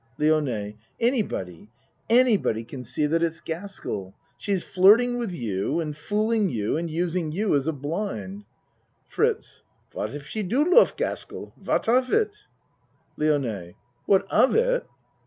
LIONE Anybody anybody can see that it's Gas kell. She's flirting with you and fooling you and using you as a blind FRITZ What if she do lof Gaskell? What of it? LIONE What of it?